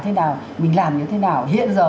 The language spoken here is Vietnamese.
thế nào mình làm như thế nào hiện giờ